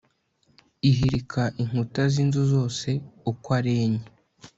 ihirika inkuta z'inzu zose uko ari enye